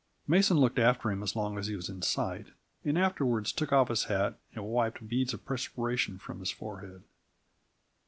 Mason looked after him as long as he was in sight, and afterwards took off his hat, and wiped beads of perspiration from his forehead.